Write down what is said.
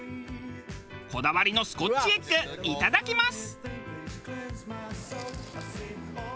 こだわりのスコッチエッグいただきます！